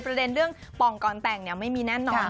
ประเด็นเรื่องป่องก่อนแต่งไม่มีแน่นอน